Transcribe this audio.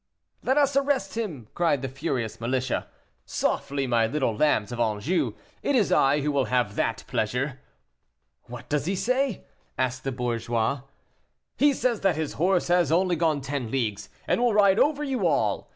"Let us arrest him!" cried the furious militia. "Softly, my little lambs of Anjou; it is I who will have that pleasure." "What does he say?" asked the bourgeois. "He says that his horse has only gone ten leagues, and will ride over you all."